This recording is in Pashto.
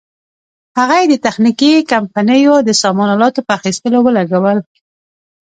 هغه یې د تخنیکي کمپنیو د سامان الاتو په اخیستلو ولګول.